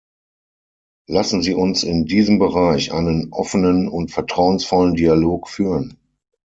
Lassen Sie uns in diesem Bereich einen offenen und vertrauensvollen Dialog führen!